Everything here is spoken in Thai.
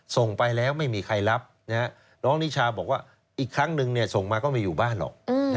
ส่งไปแล้วไม่มีใครรับน้องนิชาบอกว่าอีกครั้งหนึ่งส่งมาก็ไม่อยู่บ้านหรอก